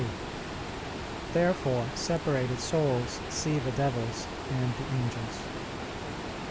Therefore separated souls see the devils and the angels.